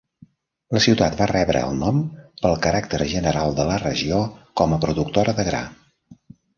La ciutat va rebre el nom pel caràcter general de la regió com a productora de gra.